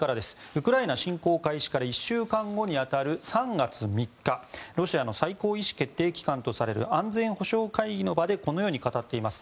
ウクライナ侵攻開始から１週間後に当たる３月３日ロシアの最高意思決定機関とされる安全保障会議の場でこのように語っています。